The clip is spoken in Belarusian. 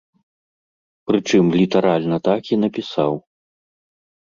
Прычым літаральна так і напісаў.